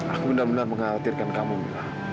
aku benar benar menghatirkan kamu mila